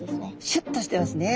シュッとしてますね。